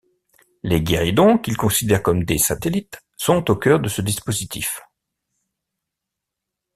Les guéridons, qu’il considère comme des satellites, sont au cœur de ce dispositif.